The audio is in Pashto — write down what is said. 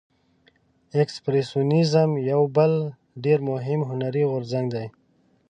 اکسپرسیونیزم یو بل ډیر مهم هنري غورځنګ دی.